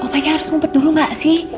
oh opanya harus ngumpet dulu gak sih